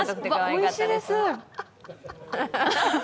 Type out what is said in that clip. おいしいです。